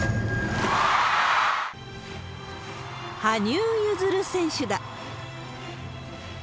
羽生結弦選手だ。